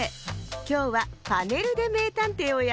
きょうは「パネルでめいたんてい」をやるわよ。